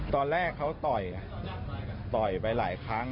ตอนแรกเขาต่อยต่อยไปหลายครั้ง